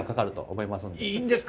いいんですか。